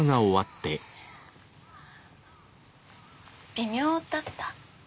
微妙だった？